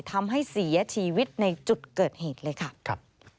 ทำให้เสียชีวิตในจุดเกิดเหตุเลยค่ะ